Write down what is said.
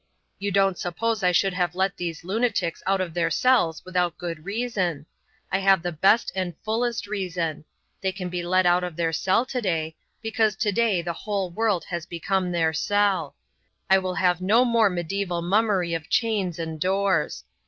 You don't suppose I should have let these lunatics out of their cells without good reason. I have the best and fullest reason. They can be let out of their cell today, because today the whole world has become their cell. I will have no more medieval mummery of chains and doors.